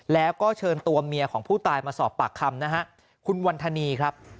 แล้วก็เชิญตัวเมียของผู้ตายมาสอบปากคำนะฮะคุณวันธนีครับ